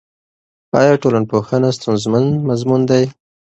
آیا ټولنپوهنه ستونزمن مضمون دی؟